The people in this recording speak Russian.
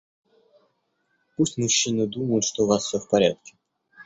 Пусть мужчины думают, что у Вас все в порядке.